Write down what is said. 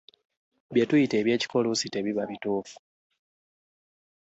Bye tuyita eby'ekika oluusi tebiba butuufu.